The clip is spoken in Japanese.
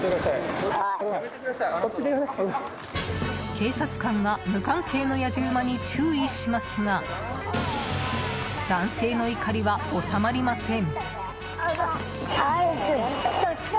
警察官が無関係のやじ馬に注意しますが男性の怒りは収まりません。